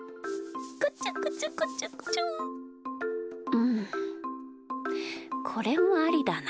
うんこれもありだな。